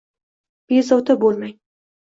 Bezovta bo'lmang.